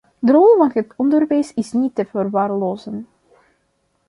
De rol van het onderwijs is niet te verwaarlozen.